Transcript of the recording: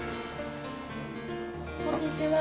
こんにちは。